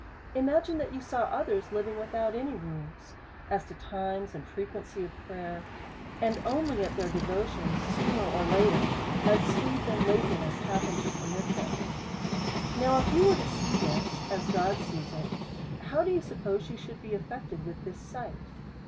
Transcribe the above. Imagine that you saw others living without any rules, as to times and frequency of prayer, and only at their devotions sooner or later, as sleep and laziness happens to permit them. Now if you was to see this, as God sees it, how do you suppose you should be affected with this sight?